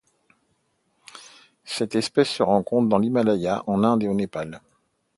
Cette espèce se rencontre dans l'Himalaya en Inde et au Népal.